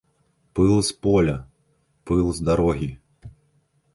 Пыл з поля, пыл з дарогі.